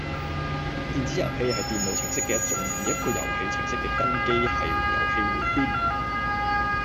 電子遊戲係電腦程式嘅一種，而一個遊戲程式嘅根基係遊戲迴圈